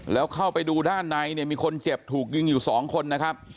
แล้วเข้าไปดูด้านในเนี่ยมีคนเจ็บถูกยิงอยู่สองคนนะครับ